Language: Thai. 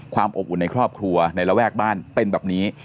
ความอบอุ่นในครอบครัวในระแวกบ้านเป็นแบบนี้